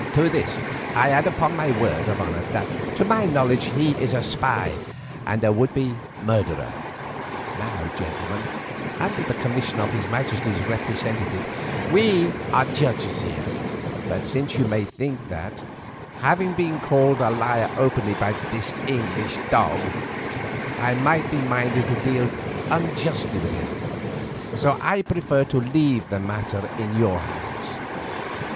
To this I add upon my word of honour that to my knowledge he is a spy and a would be murderer. Now, gentlemen, under the commission of his majesty's representative, we are judges here, but since you may think that, having been called a liar openly by this English dog, I might be minded to deal unjustly with him, I prefer to leave the matter in your hands."